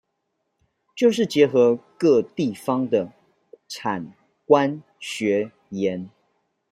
就是結合各地方的產官學研